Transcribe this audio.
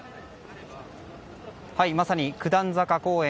まさに九段坂公園